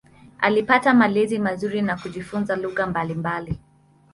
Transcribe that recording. Alipata malezi mazuri na kujifunza lugha mbalimbali.